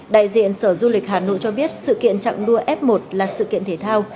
đại diện sở du lịch hà nội cho biết sự kiện trạng đua f một là sự kiện thể thao